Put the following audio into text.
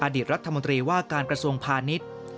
อดีตรัฐมนตรีว่าการกระทรวงพาณิชย์